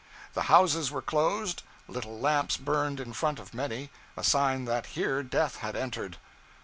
The houses were closed: little lamps burned in front of many a sign that here death had entered.